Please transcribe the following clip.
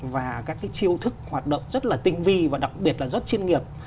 và các cái chiêu thức hoạt động rất là tinh vi và đặc biệt là rất chiên nghiệp